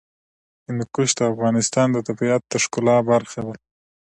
هندوکش د افغانستان د طبیعت د ښکلا برخه ده.